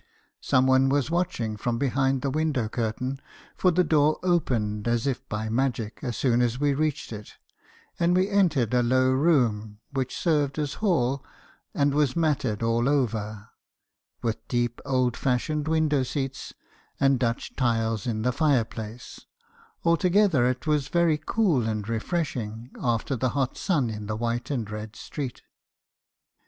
Some one was watching from behind the window cur tain; for the door opened, as if by magic, as soon as we reached it; and we entered a low room, which served as hall, and was matted all over, with deep old fashioned window seats, and Dutch tiles in the fire place ; altogether it was very cool and re freshing, after the hot sun in the white and red street.